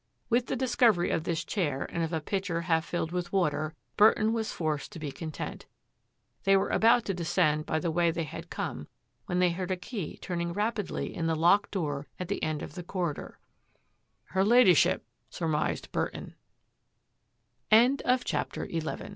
With the discovery of this chair and of a pitcher half filled with water, Burton was forced to be con tent. They were about to descend by the way they had come when they heard a key turning rapidly in the locked door at the end of the cor ridor. " Her